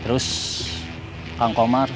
terus yang jadi pembantu kang komar kan